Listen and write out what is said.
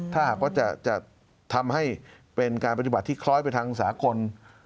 ถ้าหากว่าจะทำให้เป็นการปฏิบัติที่คล้อยไปทางสากล